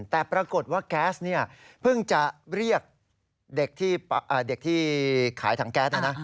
แต่ปรากฏว่าแก๊สเพิ่งจะเรียกเด็กที่ขายถังแก๊ส